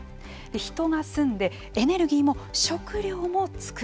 人が住んでエネルギーも食糧も作る。